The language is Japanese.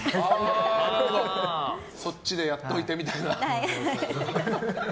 そっちでやっといてみたいな。